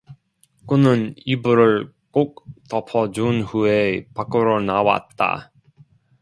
그는 이불을 꼭 덮어 준 후에 밖으로 나왔다.